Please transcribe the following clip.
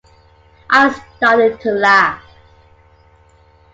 I started to laugh.